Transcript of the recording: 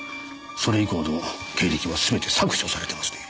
それ以降の経歴はすべて削除されてますね。